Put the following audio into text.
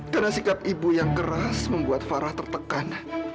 karena sikap ibu yang keras membuat farah tertekan